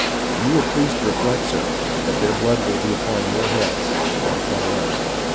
You will please to reflect, sir, that their blood will be upon your heads, not upon ours.